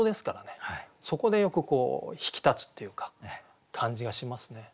そこでよく引き立つっていうか感じがしますね。